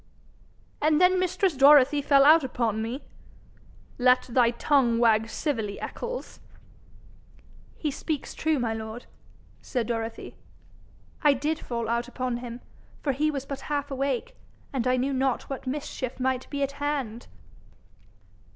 'And then mistress Dorothy fell out upon me ' 'Let thy tongue wag civilly, Eccles.' 'He speaks true, my lord,' said Dorothy. 'I did fall out upon him, for he was but half awake, and I knew not what mischief might be at hand.'